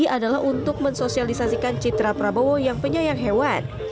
adalah untuk mensosialisasikan citra prabowo yang penyayang hewan